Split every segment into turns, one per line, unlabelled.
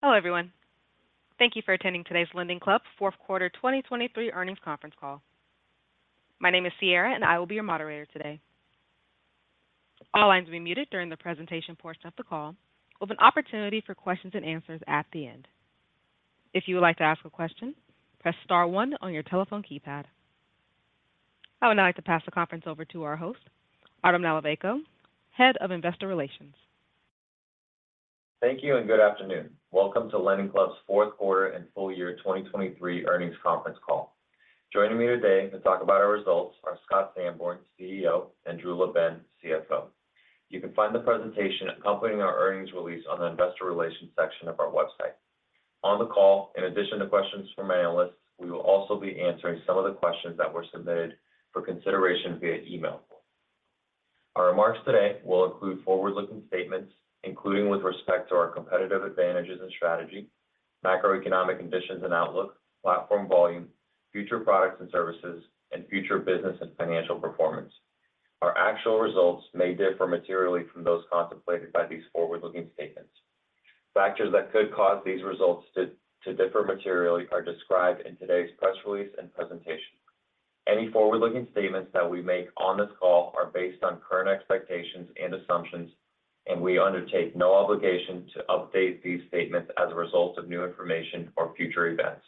Hello, everyone. Thank you for attending today's LendingClub fourth quarter 2023 earnings conference call. My name is Sierra, and I will be your moderator today. All lines will be muted during the presentation portion of the call, with an opportunity for questions and answers at the end. If you would like to ask a question, press star one on your telephone keypad. I would now like to pass the conference over to our host, Artem Nalivayko, Head of Investor Relations.
Thank you and good afternoon. Welcome to LendingClub's fourth quarter and full year 2023 earnings conference call. Joining me today to talk about our results are Scott Sanborn, CEO, and Drew LaBenne, CFO. You can find the presentation accompanying our earnings release on the investor relations section of our website. On the call, in addition to questions from analysts, we will also be answering some of the questions that were submitted for consideration via email. Our remarks today will include forward-looking statements, including with respect to our competitive advantages and strategy, macroeconomic conditions and outlook, platform volume, future products and services, and future business and financial performance. Our actual results may differ materially from those contemplated by these forward-looking statements. Factors that could cause these results to differ materially are described in today's press release and presentation. Any forward-looking statements that we make on this call are based on current expectations and assumptions, and we undertake no obligation to update these statements as a result of new information or future events.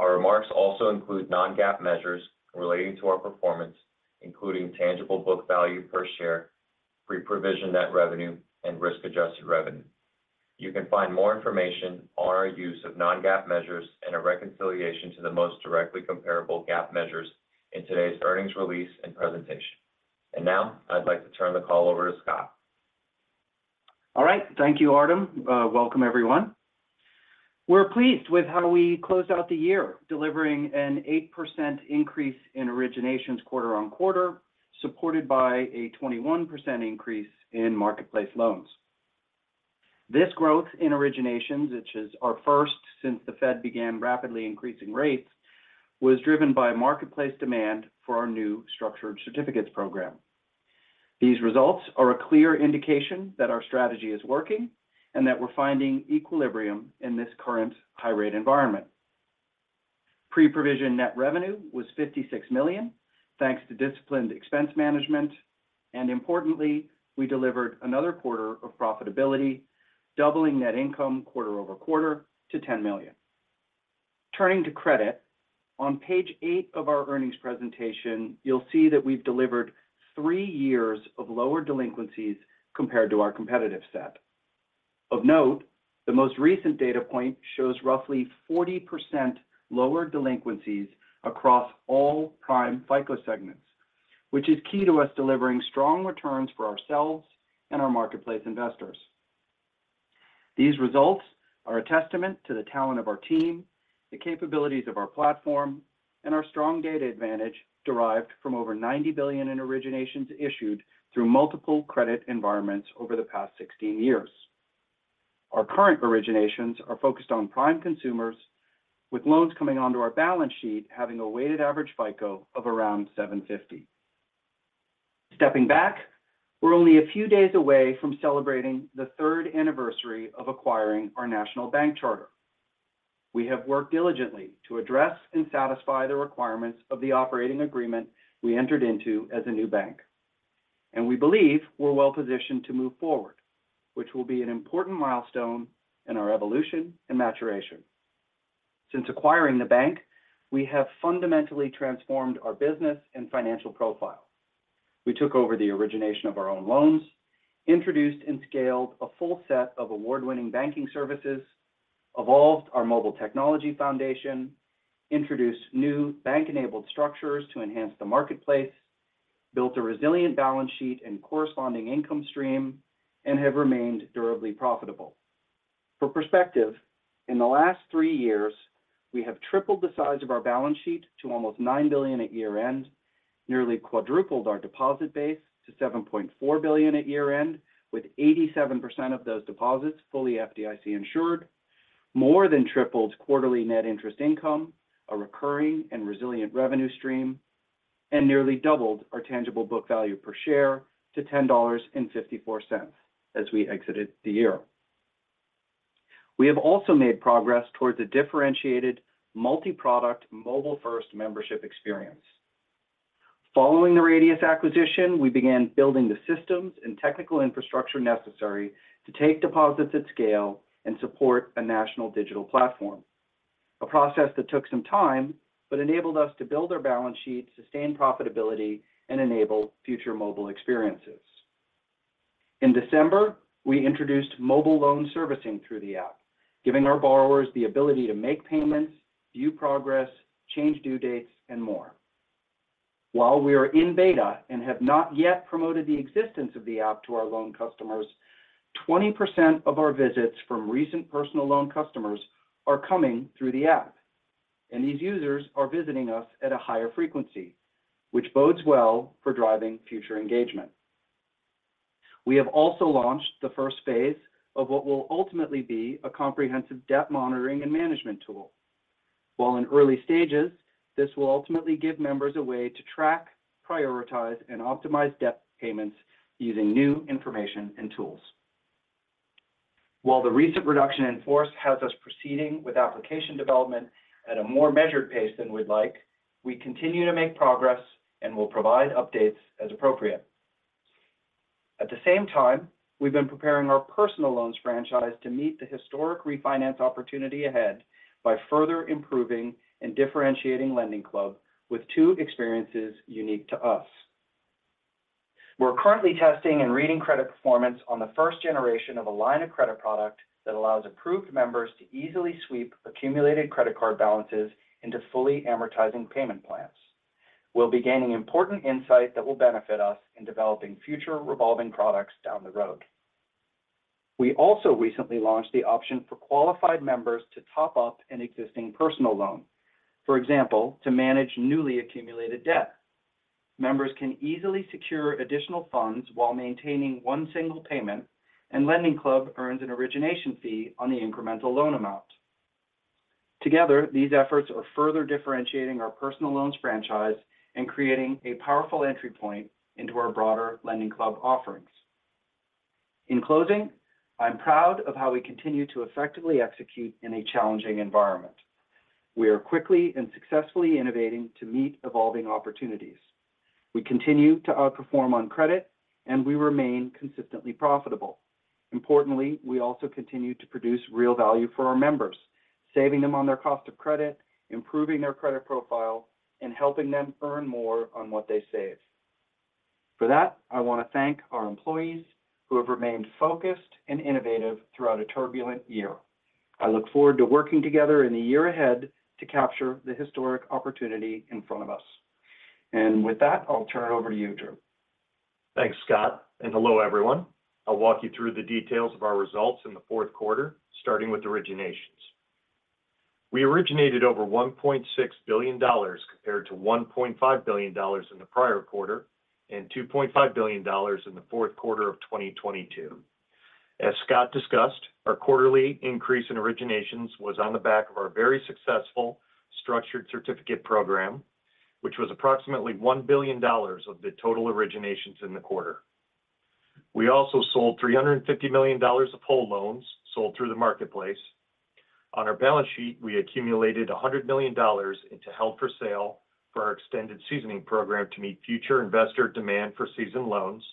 Our remarks also include non-GAAP measures relating to our performance, including tangible book value per share, pre-provision net revenue, and risk-adjusted revenue. You can find more information on our use of non-GAAP measures and a reconciliation to the most directly comparable GAAP measures in today's earnings release and presentation. And now, I'd like to turn the call over to Scott.
All right. Thank you, Artem. Welcome, everyone. We're pleased with how we closed out the year, delivering an 8% increase in originations quarter-over-quarter, supported by a 21% increase in marketplace loans. This growth in originations, which is our first since the Fed began rapidly increasing rates, was driven by marketplace demand for our new Structured Certificates program. These results are a clear indication that our strategy is working and that we're finding equilibrium in this current high-rate environment. Pre-provision net revenue was $56 million, thanks to disciplined expense management, and importantly, we delivered another quarter of profitability, doubling net income quarter-over-quarter to $10 million. Turning to credit, on page eight of our earnings presentation, you'll see that we've delivered three years of lower delinquencies compared to our competitive set. Of note, the most recent data point shows roughly 40% lower delinquencies across all prime FICO segments, which is key to us delivering strong returns for ourselves and our marketplace investors. These results are a testament to the talent of our team, the capabilities of our platform, and our strong data advantage derived from over $90 billion in originations issued through multiple credit environments over the past 16 years. Our current originations are focused on prime consumers, with loans coming onto our balance sheet, having a weighted average FICO of around 750. Stepping back, we're only a few days away from celebrating the third anniversary of acquiring our national bank charter. We have worked diligently to address and satisfy the requirements of the operating agreement we entered into as a new bank, and we believe we're well positioned to move forward, which will be an important milestone in our evolution and maturation. Since acquiring the bank, we have fundamentally transformed our business and financial profile. We took over the origination of our own loans, introduced and scaled a full set of award-winning banking services, evolved our mobile technology foundation, introduced new bank-enabled structures to enhance the marketplace, built a resilient balance sheet and corresponding income stream, and have remained durably profitable. For perspective, in the last three years, we have tripled the size of our balance sheet to almost $9 billion at year-end, nearly quadrupled our deposit base to $7.4 billion at year-end, with 87% of those deposits fully FDIC-insured, more than tripled quarterly net interest income, a recurring and resilient revenue stream, and nearly doubled our tangible book value per share to $10.54 as we exited the year. We have also made progress towards a differentiated, multi-product, mobile-first membership experience. Following the Radius acquisition, we began building the systems and technical infrastructure necessary to take deposits at scale and support a national digital platform. A process that took some time, but enabled us to build our balance sheet, sustain profitability, and enable future mobile experiences. In December, we introduced mobile loan servicing through the app, giving our borrowers the ability to make payments, view progress, change due dates, and more. While we are in beta and have not yet promoted the existence of the app to our loan customers, 20% of our visits from recent personal loan customers are coming through the app, and these users are visiting us at a higher frequency, which bodes well for driving future engagement. We have also launched the first phase of what will ultimately be a comprehensive debt monitoring and management tool. While in early stages, this will ultimately give members a way to track, prioritize, and optimize debt payments using new information and tools. While the recent reduction in force has us proceeding with application development at a more measured pace than we'd like, we continue to make progress and will provide updates as appropriate. At the same time, we've been preparing our personal loans franchise to meet the historic refinance opportunity ahead by further improving and differentiating LendingClub with two experiences unique to us. We're currently testing and reading credit performance on the first generation of a line of credit product that allows approved members to easily sweep accumulated credit card balances into fully amortizing payment plans. We'll be gaining important insight that will benefit us in developing future revolving products down the road. We also recently launched the option for qualified members to top up an existing personal loan. For example, to manage newly accumulated debt. Members can easily secure additional funds while maintaining one single payment, and LendingClub earns an origination fee on the incremental loan amount. Together, these efforts are further differentiating our personal loans franchise and creating a powerful entry point into our broader LendingClub offerings. In closing, I'm proud of how we continue to effectively execute in a challenging environment. We are quickly and successfully innovating to meet evolving opportunities. We continue to outperform on credit, and we remain consistently profitable. Importantly, we also continue to produce real value for our members, saving them on their cost of credit, improving their credit profile, and helping them earn more on what they save. For that, I want to thank our employees, who have remained focused and innovative throughout a turbulent year. I look forward to working together in the year ahead to capture the historic opportunity in front of us. And with that, I'll turn it over to you, Drew.
Thanks, Scott, and hello, everyone. I'll walk you through the details of our results in the fourth quarter, starting with originations. We originated over $1.6 billion compared to $1.5 billion in the prior quarter and $2.5 billion in the fourth quarter of 2022. As Scott discussed, our quarterly increase in originations was on the back of our very successful Structured Certificate program, which was approximately $1 billion of the total originations in the quarter. We also sold $350 million of whole loans sold through the marketplace. On our balance sheet, we accumulated $100 million into held for sale for our Extended Seasoning program to meet future investor demand for seasoned loans,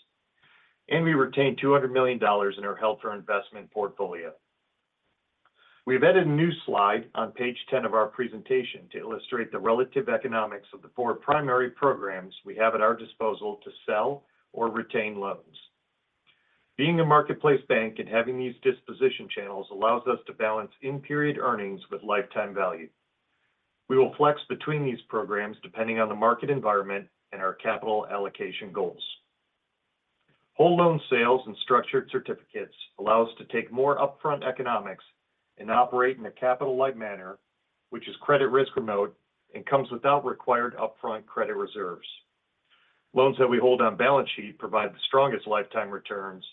and we retained $200 million in our held for investment portfolio. We have added a new slide on page 10 of our presentation to illustrate the relative economics of the four primary programs we have at our disposal to sell or retain loans. Being a marketplace bank and having these disposition channels allows us to balance in-period earnings with lifetime value. We will flex between these programs depending on the market environment and our capital allocation goals. Whole loan sales and structured certificates allow us to take more upfront economics and operate in a capital-light manner, which is credit risk remote and comes without required upfront credit reserves. Loans that we hold on balance sheet provide the strongest lifetime returns,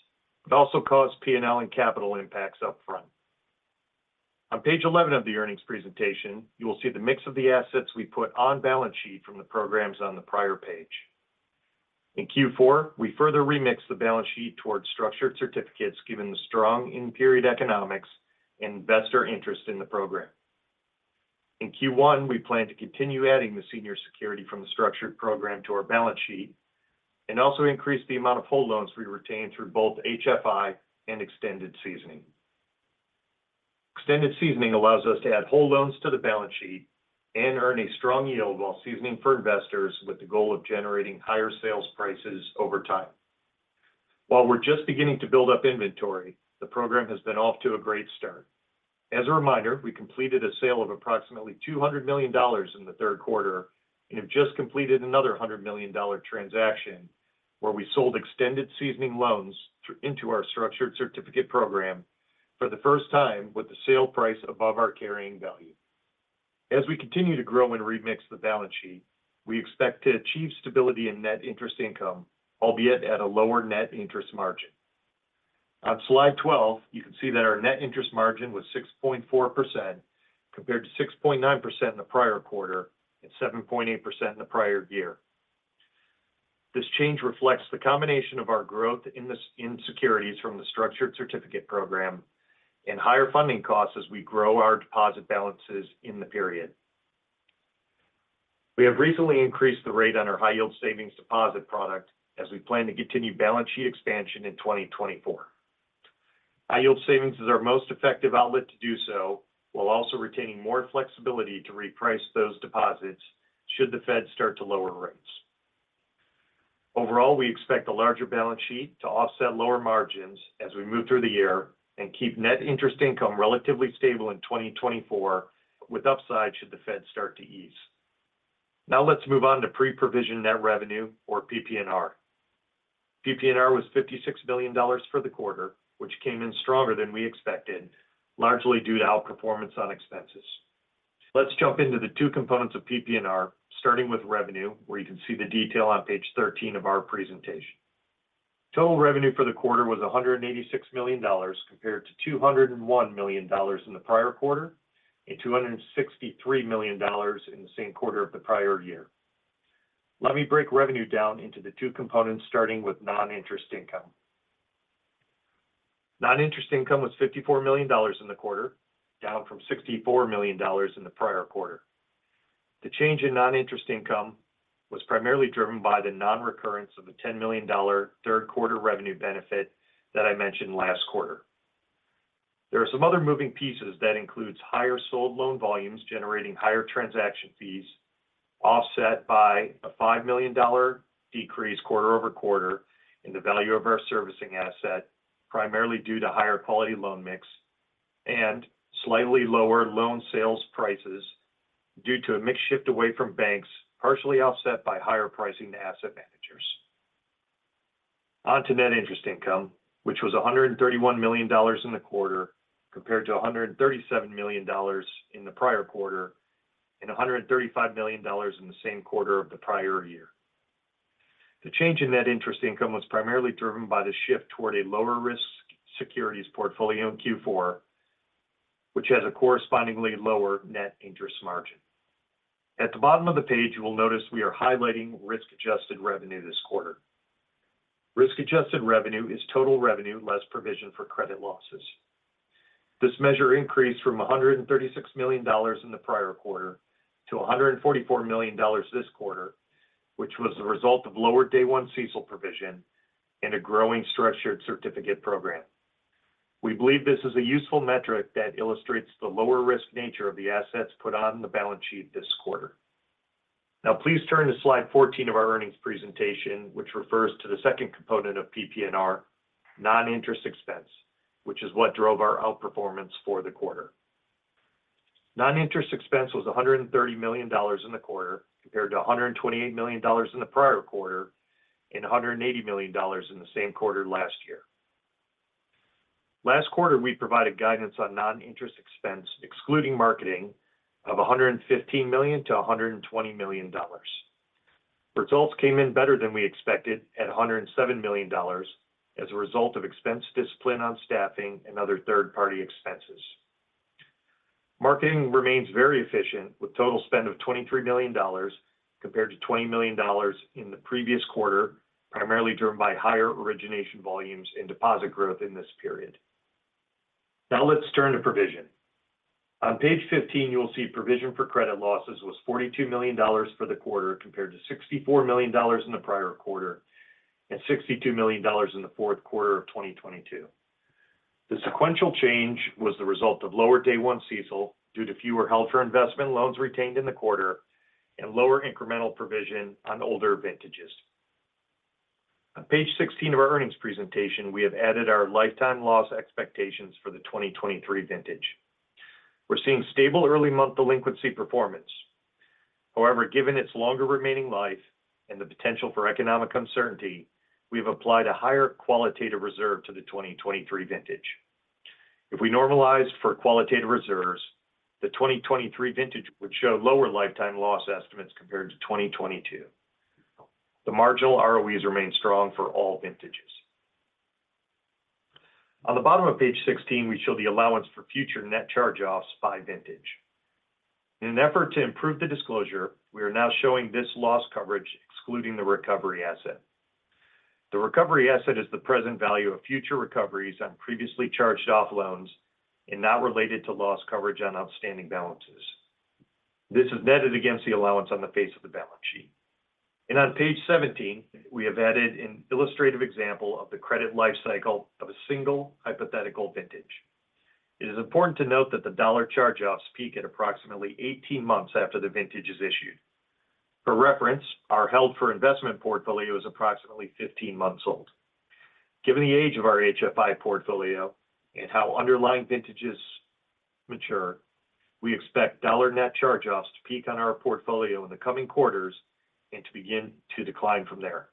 but also cause P&L and capital impacts upfront. On page 11 of the earnings presentation, you will see the mix of the assets we put on balance sheet from the programs on the prior page. In Q4, we further remixed the balance sheet towards Structured Certificate, given the strong in-period economics and investor interest in the program. In Q1, we plan to continue adding the senior security from the structured program to our balance sheet and also increase the amount of whole loans we retain through both HFI and Extended Seasoning. Extended Seasoning allows us to add whole loans to the balance sheet and earn a strong yield while seasoning for investors with the goal of generating higher sales prices over time. While we're just beginning to build up inventory, the program has been off to a great start. As a reminder, we completed a sale of approximately $200 million in the third quarter and have just completed another $100 million transaction, where we sold Extended Seasoning loans through into our Structured Certificate program for the first time with the sale price above our carrying value. As we continue to grow and remix the balance sheet, we expect to achieve stability in net interest income, albeit at a lower net interest margin. On slide 12, you can see that our net interest margin was 6.4%, compared to 6.9% in the prior quarter and 7.8% in the prior year. This change reflects the combination of our growth in securities from the Structured Certificate program and higher funding costs as we grow our deposit balances in the period. We have recently increased the rate on our high yield savings deposit product as we plan to continue balance sheet expansion in 2024. High yield savings is our most effective outlet to do so while also retaining more flexibility to reprice those deposits should the Fed start to lower rates. Overall, we expect a larger balance sheet to offset lower margins as we move through the year and keep net interest income relatively stable in 2024, with upside should the Fed start to ease. Now let's move on to pre-provision net revenue or PPNR. PPNR was $56 billion for the quarter, which came in stronger than we expected, largely due to outperformance on expenses. Let's jump into the two components of PPNR, starting with revenue, where you can see the detail on page 13 of our presentation. Total revenue for the quarter was $186 million, compared to $201 million in the prior quarter, and $263 million in the same quarter of the prior year. Let me break revenue down into the two components, starting with non-interest income. Non-interest income was $54 million in the quarter, down from $64 million in the prior quarter. The change in non-interest income was primarily driven by the non-recurrence of the $10 million third quarter revenue benefit that I mentioned last quarter. There are some other moving pieces that includes higher sold loan volumes, generating higher transaction fees, offset by a $5 million decrease quarter-over-quarter in the value of our servicing asset, primarily due to higher quality loan mix and slightly lower loan sales prices due to a mix shift away from banks, partially offset by higher pricing to asset managers. On to net interest income, which was $131 million in the quarter, compared to $137 million in the prior quarter, and $135 million in the same quarter of the prior year. The change in net interest income was primarily driven by the shift toward a lower-risk securities portfolio in Q4, which has a correspondingly lower net interest margin. At the bottom of the page, you will notice we are highlighting risk-adjusted revenue this quarter. Risk-adjusted revenue is total revenue, less provision for credit losses. This measure increased from $136 million in the prior quarter to $144 million this quarter, which was the result of lower day one CECL provision and a growing Structured Certificate program. We believe this is a useful metric that illustrates the lower risk nature of the assets put on the balance sheet this quarter. Now, please turn to slide 14 of our earnings presentation, which refers to the second component of PPNR, non-interest expense, which is what drove our outperformance for the quarter. Non-interest expense was $130 million in the quarter, compared to $128 million in the prior quarter, and $180 million in the same quarter last year. Last quarter, we provided guidance on non-interest expense, excluding marketing, of $115 million-$120 million. Results came in better than we expected at $107 million as a result of expense discipline on staffing and other third-party expenses. Marketing remains very efficient, with total spend of $23 million, compared to $20 million in the previous quarter, primarily driven by higher origination volumes and deposit growth in this period. Now let's turn to provision. On page 15, you will see provision for credit losses was $42 million for the quarter, compared to $64 million in the prior quarter, and $62 million in the fourth quarter of 2022. The sequential change was the result of lower day one CECL, due to fewer held for investment loans retained in the quarter and lower incremental provision on older vintages. On page 16 of our earnings presentation, we have added our lifetime loss expectations for the 2023 vintage. We're seeing stable early-month delinquency performance. However, given its longer remaining life and the potential for economic uncertainty, we've applied a higher qualitative reserve to the 2023 vintage. If we normalize for qualitative reserves, the 2023 vintage would show lower lifetime loss estimates compared to 2022. The marginal ROEs remain strong for all vintages. On the bottom of page 16, we show the allowance for future net charge-offs by vintage. In an effort to improve the disclosure, we are now showing this loss coverage, excluding the recovery asset. The recovery asset is the present value of future recoveries on previously charged-off loans and not related to loss coverage on outstanding balances. This is netted against the allowance on the face of the balance sheet. On page 17, we have added an illustrative example of the credit life cycle of a single hypothetical vintage. It is important to note that the dollar charge-offs peak at approximately 18 months after the vintage is issued. For reference, our held for investment portfolio is approximately 15 months old. Given the age of our HFI portfolio and how underlying vintages mature, we expect dollar net charge-offs to peak on our portfolio in the coming quarters and to begin to decline from there.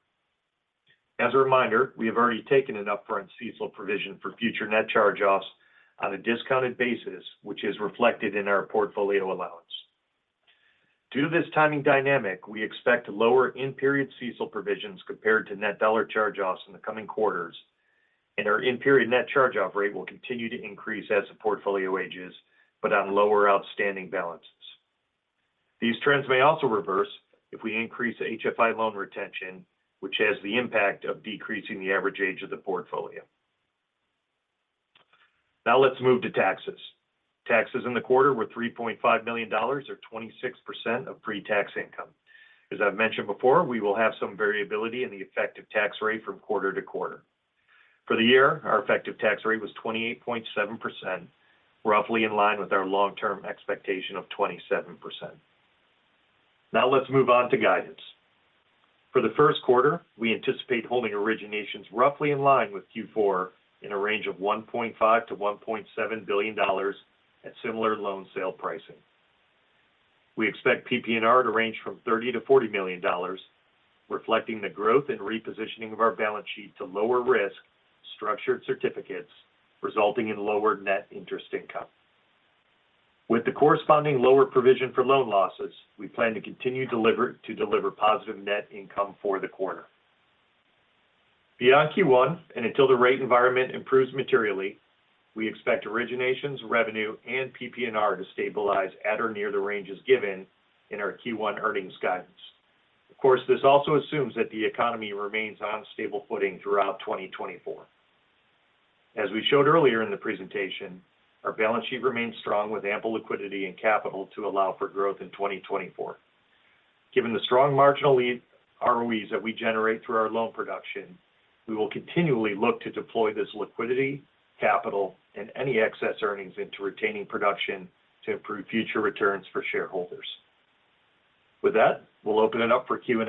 As a reminder, we have already taken an upfront CECL provision for future net charge-offs on a discounted basis, which is reflected in our portfolio allowance. Due to this timing dynamic, we expect lower in-period CECL provisions compared to net dollar charge-offs in the coming quarters, and our in-period net charge-off rate will continue to increase as the portfolio ages, but on lower outstanding balances. These trends may also reverse if we increase HFI loan retention, which has the impact of decreasing the average age of the portfolio. Now let's move to taxes. Taxes in the quarter were $3.5 million, or 26% of pre-tax income. As I've mentioned before, we will have some variability in the effective tax rate from quarter-to-quarter. For the year, our effective tax rate was 28.7%, roughly in line with our long-term expectation of 27%. Now let's move on to guidance. For the first quarter, we anticipate holding originations roughly in line with Q4, in a range of $1.5 billion-$1.7 billion at similar loan sale pricing. We expect PPNR to range from $30 million-$40 million, reflecting the growth and repositioning of our balance sheet to lower-risk structured certificates, resulting in lower net interest income. With the corresponding lower provision for loan losses, we plan to continue to deliver positive net income for the quarter. Beyond Q1, and until the rate environment improves materially, we expect originations, revenue, and PPNR to stabilize at or near the ranges given in our Q1 earnings guidance. Of course, this also assumes that the economy remains on stable footing throughout 2024. As we showed earlier in the presentation, our balance sheet remains strong with ample liquidity and capital to allow for growth in 2024. Given the strong marginal lead ROEs that we generate through our loan production, we will continually look to deploy this liquidity, capital, and any excess earnings into retaining production to improve future returns for shareholders. With that, we'll open it up for Q&A.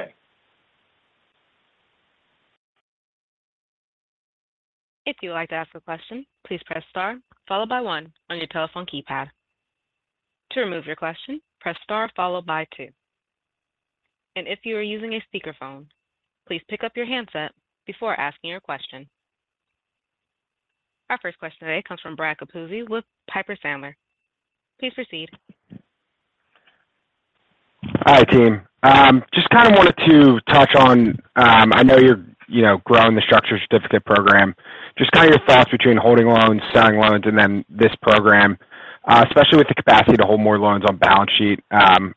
If you'd like to ask a question, please press star, followed by one on your telephone keypad. To remove your question, press star followed by two. If you are using a speakerphone, please pick up your handset before asking your question. Our first question today comes from Brad Capuzzi with Piper Sandler. Please proceed.
Hi, team. Just kind of wanted to touch on, I know you're, you know, growing the Structured Certificate program, just kind of your thoughts between holding loans, selling loans, and then this program, especially with the capacity to hold more loans on balance sheet.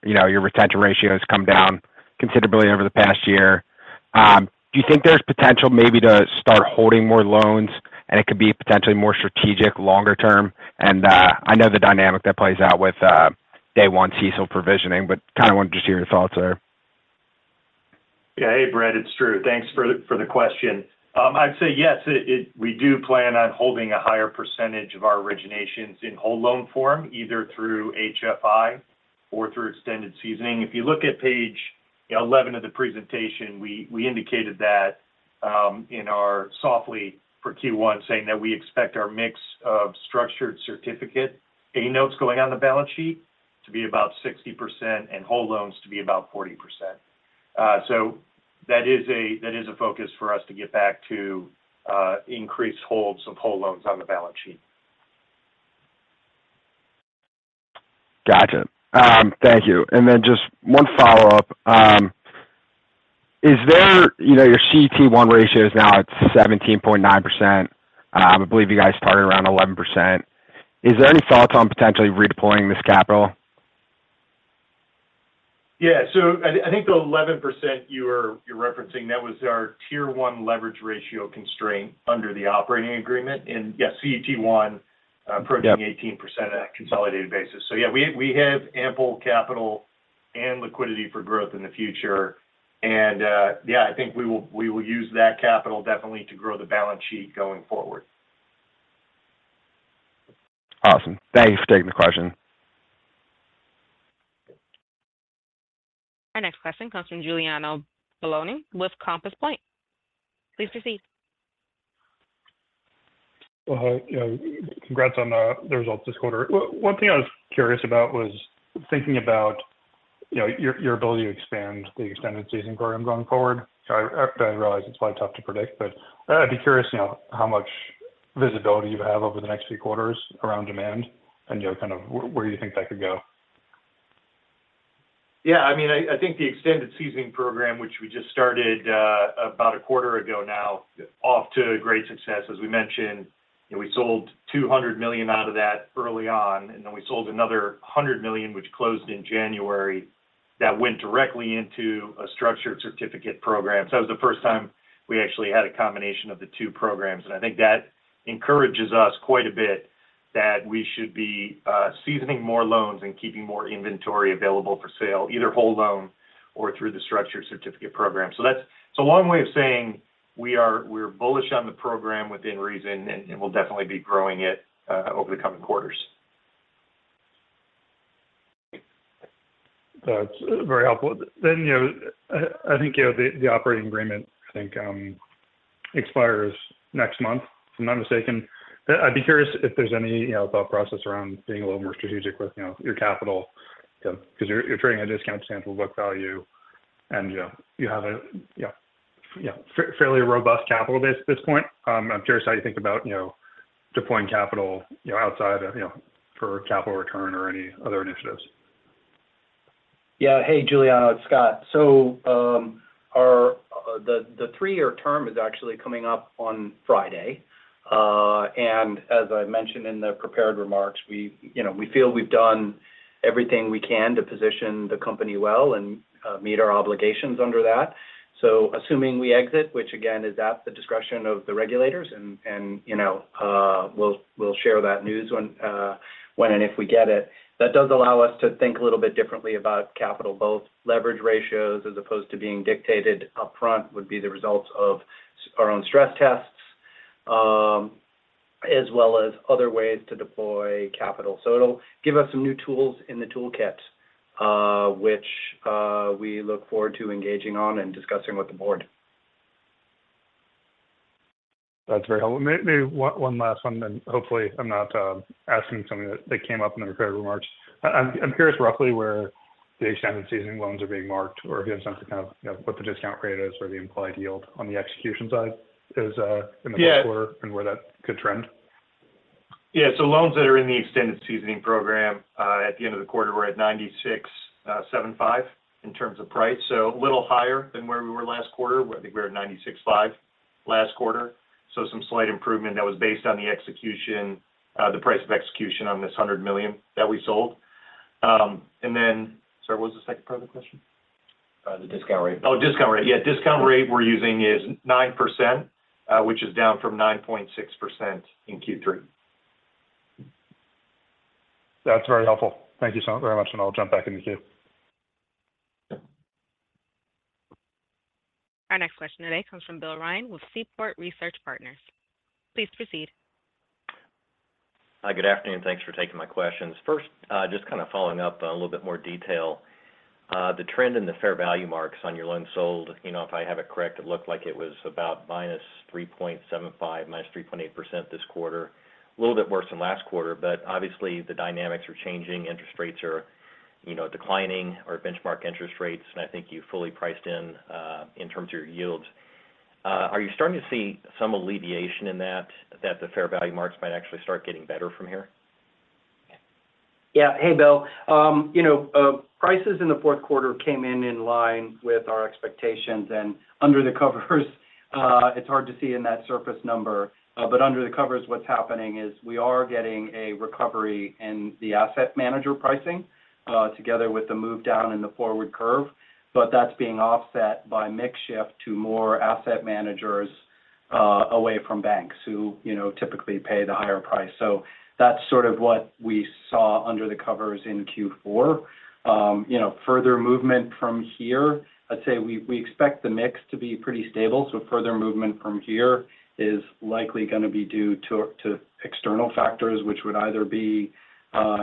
You know, your retention ratio has come down considerably over the past year. Do you think there's potential maybe to start holding more loans, and it could be potentially more strategic longer term? I know the dynamic that plays out with day one CECL provisioning, but kind of want to just hear your thoughts there.
Yeah. Hey, Brad, it's Drew. Thanks for the question. I'd say yes, it—we do plan on holding a higher percentage of our originations in whole loan form, either through HFI or through extended seasoning. If you look at page 11 of the presentation, we indicated that in our guidance for Q1, saying that we expect our mix of Structured Certificate A notes going on the balance sheet to be about 60% and whole loans to be about 40%. So that is a focus for us to get back to increase holds of whole loans on the balance sheet.
Gotcha. Thank you. And then just one follow-up. Is there, you know, your CET1 ratio is now at 17.9%. I believe you guys started around 11%. Is there any thoughts on potentially redeploying this capital?
Yeah. So I think the 11% you're referencing, that was our Tier 1 leverage ratio constraint under the operating agreement. And yeah, CET1 approaching 18% on a consolidated basis. So yeah, we have ample capital and liquidity for growth in the future. And yeah, I think we will use that capital definitely to grow the balance sheet going forward.
Awesome. Thank you for taking the question.
Our next question comes from Giuliano Bologna with Compass Point. Please proceed.
Well, hi. Yeah, congrats on the results this quarter. One thing I was curious about was thinking about, you know, your ability to expand the Extended Seasoning program going forward. I realize it's probably tough to predict, but I'd be curious, you know, how much visibility you have over the next few quarters around demand and, you know, kind of where you think that could go?
Yeah, I mean, I, I think the Extended Seasoning program, which we just started about a quarter ago now, off to a great success. As we mentioned, you know, we sold $200 million out of that early on, and then we sold another $100 million, which closed in January, that went directly into a Structured Certificate program. So that was the first time we actually had a combination of the two programs, and I think that encourages us quite a bit that we should be seasoning more loans and keeping more inventory available for sale, either whole loan or through the Structured Certificate program. So that's a long way of saying we're bullish on the program within reason, and we'll definitely be growing it over the coming quarters.
That's very helpful. Then, you know, I think, you know, the operating agreement, I think, expires next month, if I'm not mistaken. I'd be curious if there's any, you know, thought process around being a little more strategic with, you know, your capital, because you're trading a discount to tangible book value, and, you know, you have a, you know, yeah, fairly robust capital base at this point. I'm curious how you think about, you know, deploying capital, you know, outside of, you know, for capital return or any other initiatives?
Yeah. Hey, Giuliano, it's Scott. So, the three-year term is actually coming up on Friday. And as I mentioned in the prepared remarks, you know, we feel we've done everything we can to position the company well and meet our obligations under that. So assuming we exit, which again, is at the discretion of the regulators, and you know, we'll share that news when and if we get it. That does allow us to think a little bit differently about capital, both leverage ratios, as opposed to being dictated upfront, would be the results of our own stress tests, as well as other ways to deploy capital. So it'll give us some new tools in the toolkit, which we look forward to engaging on and discussing with the board.
That's very helpful. Maybe one last one, then hopefully I'm not asking something that came up in the prepared remarks. I'm curious roughly where the Extended Seasoning loans are being marked, or do you have some kind of, you know, what the discount rate is or the implied yield on the execution side is in the quarter and where that could trend?
Yeah. So loans that are in the Extended Seasoning program at the end of the quarter were at $96.75 in terms of price. So a little higher than where we were last quarter. I think we were at $96.5 last quarter. So some slight improvement that was based on the execution, the price of execution on this $100 million that we sold. And then sorry, what was the second part of the question?
The discount rate.
Oh, discount rate. Yeah, discount rate we're using is 9%, which is down from 9.6% in Q3.
That's very helpful. Thank you so very much, and I'll jump back in the queue.
Our next question today comes from Bill Ryan with Seaport Research Partners. Please proceed.
Hi, good afternoon, thanks for taking my questions. First, just kind of following up on a little bit more detail. The trend in the fair value marks on your loans sold, you know, if I have it correct, it looked like it was about -3.75, -3.8% this quarter. A little bit worse than last quarter, but obviously the dynamics are changing. Interest rates are, you know, declining, our benchmark interest rates, and I think you fully priced in, in terms of your yields. Are you starting to see some alleviation in that, the fair value marks might actually start getting better from here?
Yeah. Hey, Bill. You know, prices in the fourth quarter came in in line with our expectations, and under the covers, it's hard to see in that surface number. But under the covers, what's happening is we are getting a recovery in the asset manager pricing, together with the move down in the forward curve. But that's being offset by mix shift to more asset managers, away from banks who, you know, typically pay the higher price. So that's sort of what we saw under the covers in Q4. You know, further movement from here, I'd say we, we expect the mix to be pretty stable, so further movement from here is likely going to be due to, to external factors, which would either be,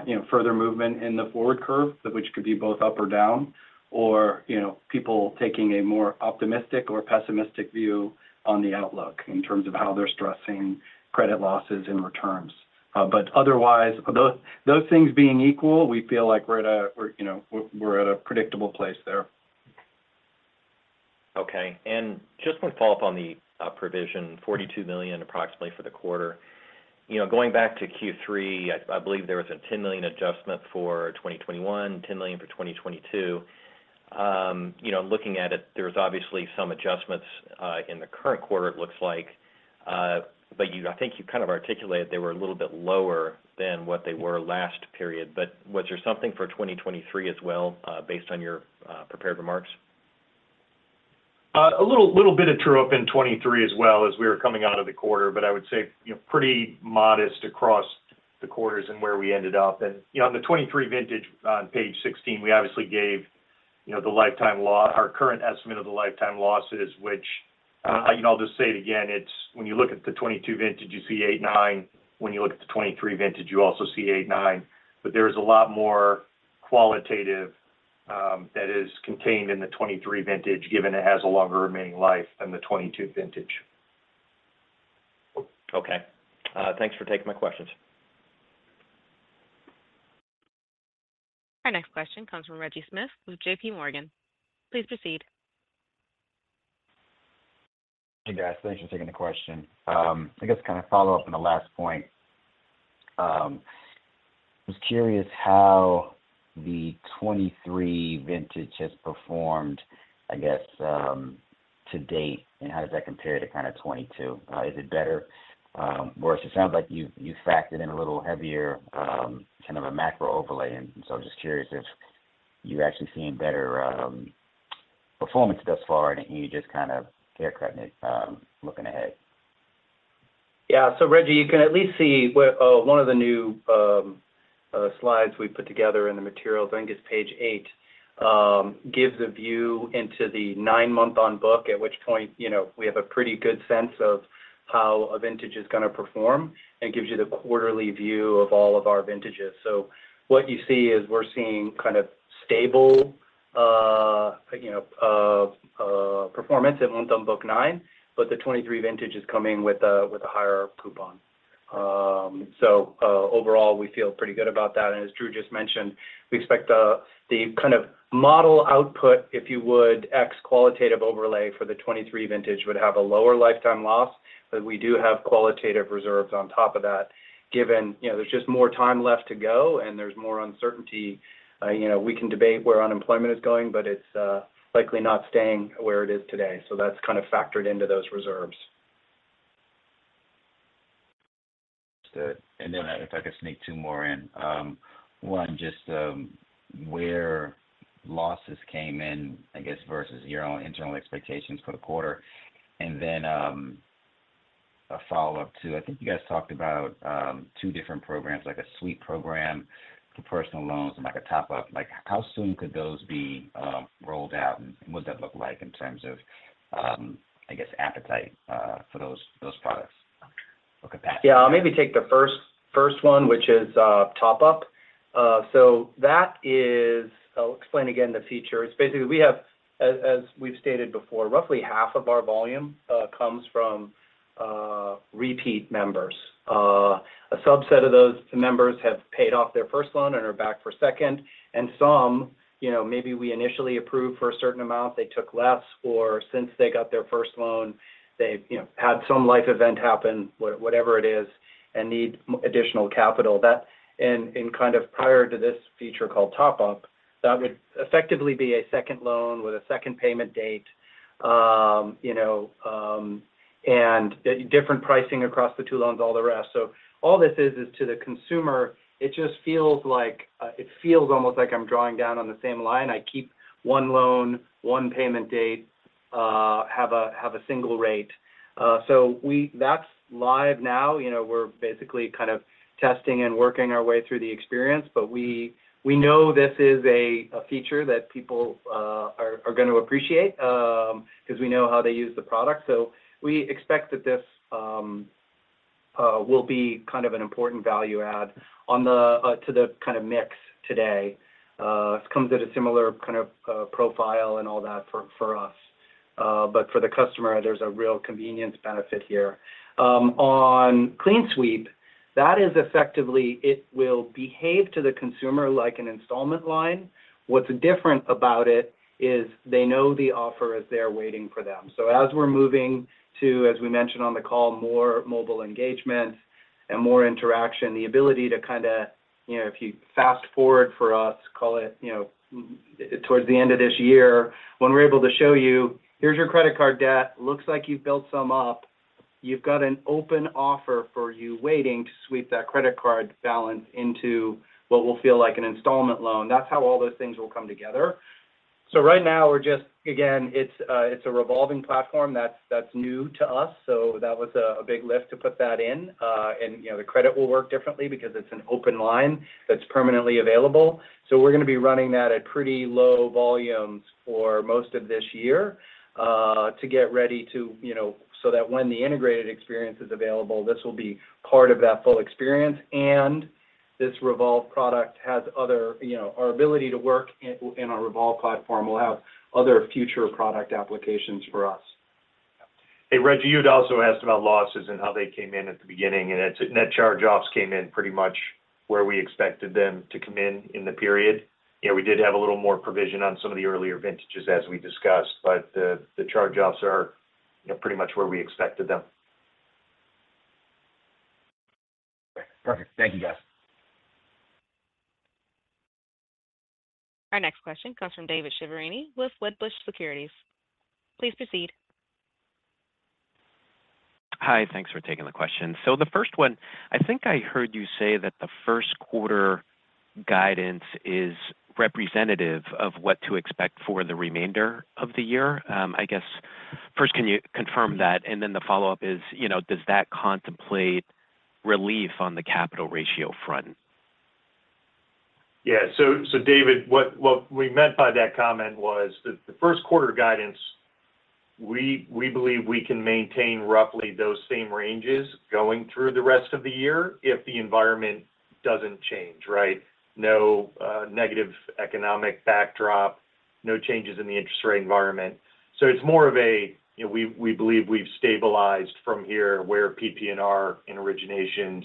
you know, further movement in the forward curve, which could be both up or down, or, you know, people taking a more optimistic or pessimistic view on the outlook in terms of how they're stressing credit losses and returns. But otherwise, those, those things being equal, we feel like we're at a- we're, you know, we're, we're at a predictable place there.
Okay. And just one follow-up on the provision, $42 million approximately for the quarter. You know, going back to Q3, I believe there was a $10 million adjustment for 2021, $10 million for 2022. You know, looking at it, there was obviously some adjustments in the current quarter, it looks like, but I think you kind of articulated they were a little bit lower than what they were last period. But was there something for 2023 as well, based on your prepared remarks?
A little bit of true up in 2023 as well as we were coming out of the quarter, but I would say, you know, pretty modest across the quarters and where we ended up. You know, on the 2023 vintage on page 16, we obviously gave, you know, the lifetime losses, our current estimate of the lifetime losses, which, you know, I'll just say it again, it's when you look at the 2022 vintage, you see 8%-9%. When you look at the 2023 vintage, you also see 8%-9%. But there is a lot more qualitative that is contained in the 2023 vintage, given it has a longer remaining life than the 2022 vintage.
Okay. Thanks for taking my questions.
Our next question comes from Reggie Smith with JPMorgan. Please proceed.
Hey, guys. Thanks for taking the question. I guess kind of follow up on the last point. I was curious how the 2023 vintage has performed, I guess, to date, and how does that compare to kind of 2022? Is it better, worse? It sounds like you've, you've factored in a little heavier, kind of a macro overlay. And so I'm just curious if you've actually seen better, performance thus far, and you just kind of haircut it, looking ahead?
Yeah. So Reggie, you can at least see where one of the new slides we put together in the materials, I think it's page eight, gives a view into the nine-month on book, at which point, you know, we have a pretty good sense of how a vintage is going to perform. And it gives you the quarterly view of all of our vintages. So what you see is we're seeing kind of stable, you know, performance at month on book nine, but the 2023 vintage is coming with a higher coupon. So overall, we feel pretty good about that. And as Drew just mentioned, we expect the kind of model output, if you would, ex qualitative overlay for the 2023 vintage, would have a lower lifetime loss, but we do have qualitative reserves on top of that, given, you know, there's just more time left to go and there's more uncertainty. You know, we can debate where unemployment is going, but it's likely not staying where it is today. So that's kind of factored into those reserves.
Good. And then if I could sneak two more in. One, just, where losses came in, I guess, versus your own internal expectations for the quarter. And then, a follow-up to, I think you guys talked about, two different programs, like a sweep program for personal loans and, like, a Top-Up. Like, how soon could those be rolled out, and what does that look like in terms of, I guess, appetite for those products? Look at that.
Yeah. I'll maybe take the first one, which is, Top-Up. So that is. I'll explain again the feature. It's basically, we have, as we've stated before, roughly half of our volume comes from repeat members. A subset of those members have paid off their first loan and are back for a second, and some, you know, maybe we initially approved for a certain amount, they took less, or since they got their first loan, they've, you know, had some life event happen, whatever it is, and need additional capital. That, and kind of prior to this feature called Top-Up, that would effectively be a second loan with a second payment date, you know, and different pricing across the two loans, all the rest. So all this is to the consumer, it just feels like, almost like I'm drawing down on the same line. I keep one loan, one payment date, have a single rate. So that's live now. You know, we're basically kind of testing and working our way through the experience, but we know this is a feature that people are going to appreciate, 'cause we know how they use the product. So we expect that this will be kind of an important value add on the to the kind of mix today. It comes at a similar kind of profile and all that for us. But for the customer, there's a real convenience benefit here. On CleanSweep, that is effectively it will behave to the consumer like an installment line. What's different about it is they know the offer is there waiting for them. So as we're moving to, as we mentioned on the call, more mobile engagement and more interaction, the ability to kind of, you know, if you fast forward for us, call it, you know, towards the end of this year, when we're able to show you, "Here's your credit card debt. Looks like you've built some up. You've got an open offer for you waiting to sweep that credit card balance into what will feel like an installment loan." That's how all those things will come together. So right now, we're just again, it's a revolving platform that's new to us, so that was a big lift to put that in. You know, the credit will work differently because it's an open line that's permanently available. So we're going to be running that at pretty low volumes for most of this year, to get ready to, you know, so that when the integrated experience is available, this will be part of that full experience. And this revolve product has other, you know, our ability to work in, in our revolve platform will have other future product applications for us.
Hey, Reggie, you'd also asked about losses and how they came in at the beginning, and net charge-offs came in pretty much where we expected them to come in in the period. You know, we did have a little more provision on some of the earlier vintages, as we discussed, but the charge-offs are, you know, pretty much where we expected them.
Perfect. Thank you, guys.
Our next question comes from David Chiaverini with Wedbush Securities. Please proceed.
Hi, thanks for taking the question. So the first one, I think I heard you say that the first quarter guidance is representative of what to expect for the remainder of the year. I guess, first, can you confirm that? And then the follow-up is, you know, does that contemplate relief on the capital ratio front?
Yeah. So, David, what we meant by that comment was that the first quarter guidance, we believe we can maintain roughly those same ranges going through the rest of the year if the environment doesn't change, right? No negative economic backdrop, no changes in the interest rate environment. So it's more of a, you know, we believe we've stabilized from here, where PPNR in originations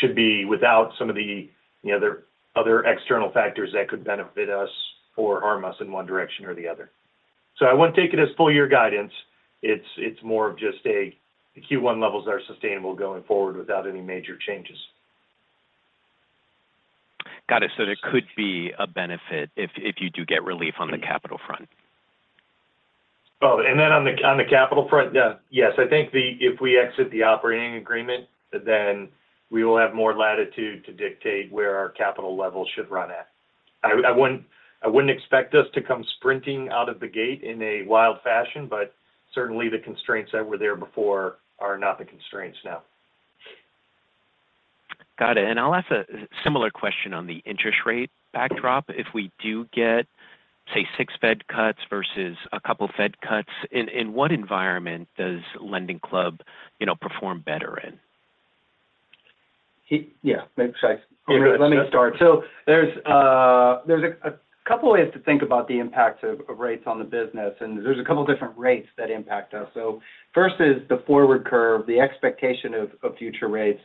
should be without some of the, you know, the other external factors that could benefit us or harm us in one direction or the other. So I wouldn't take it as full year guidance. It's more of just a, the Q1 levels are sustainable going forward without any major changes.
Got it. So there could be a benefit if, if you do get relief on the capital front.
Oh, and then on the capital front, yeah. Yes, I think if we exit the operating agreement, then we will have more latitude to dictate where our capital levels should run at. I wouldn't expect us to come sprinting out of the gate in a wild fashion, but certainly the constraints that were there before are not the constraints now.
Got it. And I'll ask a similar question on the interest rate backdrop. If we do get, say, six Fed cuts versus a couple of Fed cuts, in what environment does LendingClub, you know, perform better in?
Yeah, maybe should I?
Yeah.
Let me start. So there's a couple of ways to think about the impact of rates on the business, and there's a couple of different rates that impact us. So first is the forward curve, the expectation of future rates.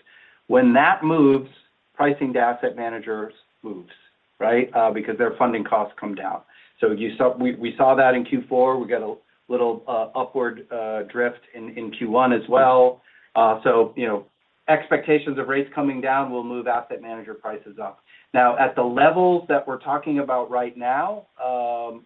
When that moves, pricing to asset managers moves, right? Because their funding costs come down. So you saw we saw that in Q4. We got a little upward drift in Q1 as well. So, you know, expectations of rates coming down will move asset manager prices up. Now, at the levels that we're talking about right now,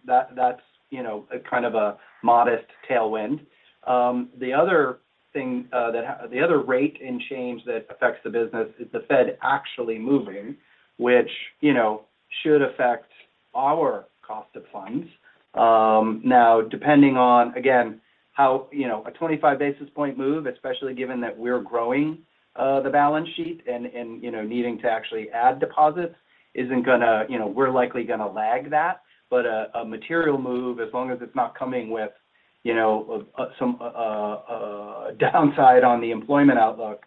that's, you know, a kind of a modest tailwind. The other thing, the other rate and change that affects the business is the Fed actually moving, which, you know, should affect our cost of funds. Now, depending on, again, how, you know, a 25 basis point move, especially given that we're growing the balance sheet and, you know, needing to actually add deposits, isn't gonna, you know, we're likely gonna lag that. But a material move, as long as it's not coming with, you know, a downside on the employment outlook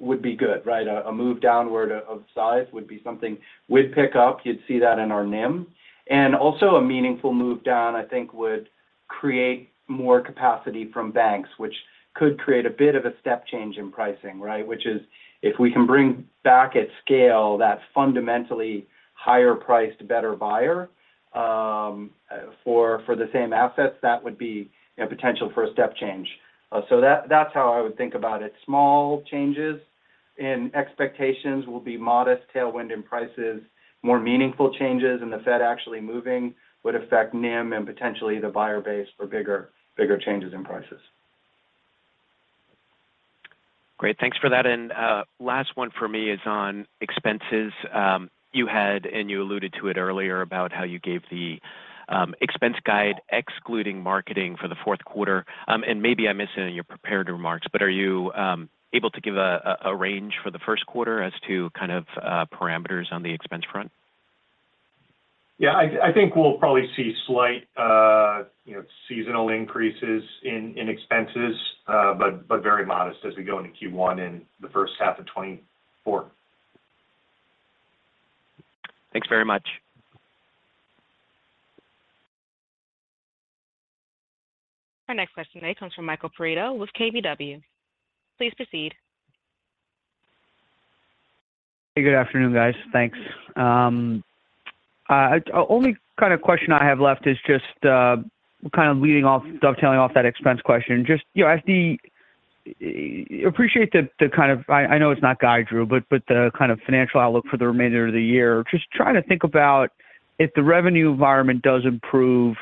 would be good, right? A move downward of size would be something we'd pick up. You'd see that in our NIM. And also a meaningful move down, I think, would create more capacity from banks, which could create a bit of a step change in pricing, right? Which is if we can bring back at scale that fundamentally higher priced, better buyer for the same assets, that would be a potential for a step change. So that's how I would think about it. Small changes in expectations will be modest tailwind in prices. More meaningful changes in the Fed actually moving would affect NIM and potentially the buyer base for bigger, bigger changes in prices.
Great. Thanks for that. And last one for me is on expenses. You had, and you alluded to it earlier, about how you gave the expense guide, excluding marketing for the fourth quarter. And maybe I missed it in your prepared remarks, but are you able to give a range for the first quarter as to kind of parameters on the expense front?
Yeah, I think we'll probably see slight, you know, seasonal increases in expenses, but very modest as we go into Q1 in the first half of 2024.
Thanks very much.
Our next question today comes from Michael Perito with KBW. Please proceed.
Hey, good afternoon, guys. Thanks. Only kind of question I have left is just, kind of leading off, dovetailing off that expense question. Just, you know, I see, appreciate the, the kind of... I know it's not guide, Drew, but, but the kind of financial outlook for the remainder of the year. Just trying to think about if the revenue environment does improve,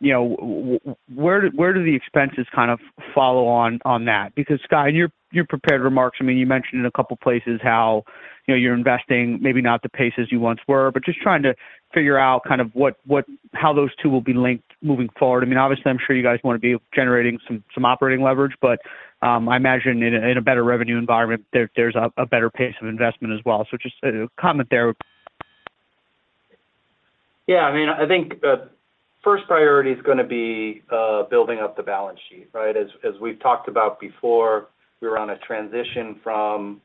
you know, where do, where do the expenses kind of follow on, on that? Because, Scott, in your, your prepared remarks, I mean, you mentioned in a couple places how, you know, you're investing maybe not the paces you once were. But just trying to figure out kind of what, what, how those two will be linked moving forward. I mean, obviously, I'm sure you guys want to be generating some operating leverage, but I imagine in a better revenue environment, there's a better pace of investment as well. So just a comment there.
Yeah, I mean, I think the first priority is going to be, building up the balance sheet, right? As we've talked about before, we were on a transition from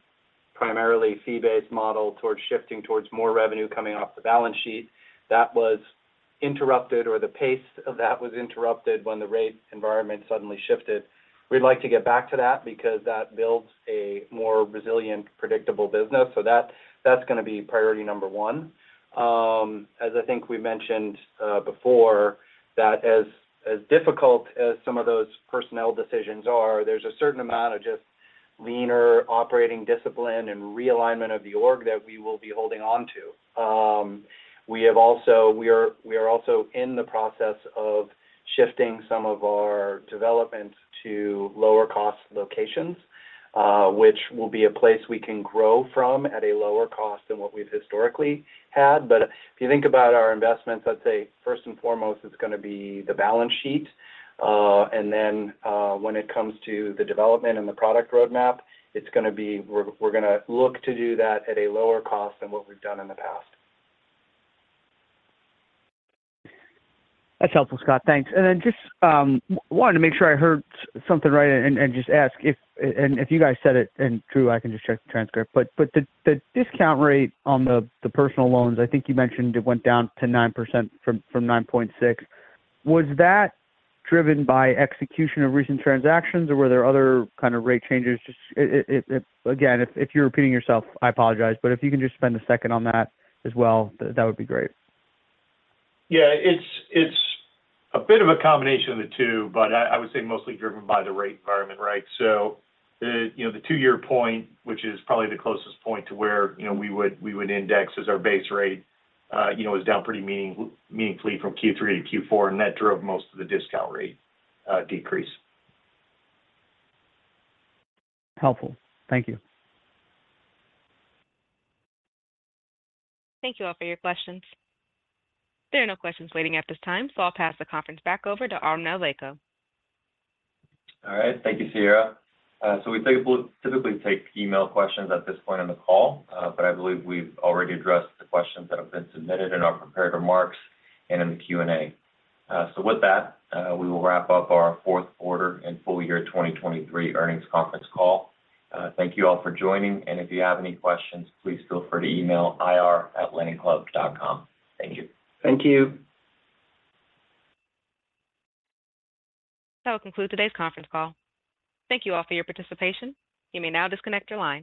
primarily fee-based model towards shifting towards more revenue coming off the balance sheet. That was interrupted, or the pace of that was interrupted when the rate environment suddenly shifted. We'd like to get back to that because that builds a more resilient, predictable business. So that, that's going to be priority number one. As I think we mentioned, before, that as difficult as some of those personnel decisions are, there's a certain amount of just leaner operating discipline and realignment of the org that we will be holding on to. We are also in the process of shifting some of our development to lower-cost locations, which will be a place we can grow from at a lower cost than what we've historically had. But if you think about our investments, I'd say first and foremost, it's going to be the balance sheet. And then, when it comes to the development and the product roadmap, it's going to be we're going to look to do that at a lower cost than what we've done in the past.
That's helpful, Scott. Thanks. And then just wanted to make sure I heard something right and just ask if you guys said it, and Drew, I can just check the transcript. But the discount rate on the personal loans, I think you mentioned it went down to 9% from 9.6%. Was that driven by execution of recent transactions, or were there other kind of rate changes? Just if, again, if you're repeating yourself, I apologize, but if you can just spend a second on that as well, that would be great.
Yeah, it's a bit of a combination of the two, but I would say mostly driven by the rate environment, right? So you know, the two-year point, which is probably the closest point to where, you know, we would index as our base rate, is down pretty meaningfully from Q3 to Q4, and that drove most of the discount rate decrease.
Helpful. Thank you.
Thank you all for your questions. There are no questions waiting at this time, so I'll pass the conference back over to Artem Nalivayko.
All right. Thank you, Sierra. So we typically take email questions at this point on the call, but I believe we've already addressed the questions that have been submitted in our prepared remarks and in the Q&A. So with that, we will wrap up our fourth quarter and full year 2023 earnings conference call. Thank you all for joining, and if you have any questions, please feel free to email ir@lendingclub.com. Thank you.
Thank you.
That will conclude today's conference call. Thank you all for your participation. You may now disconnect your line.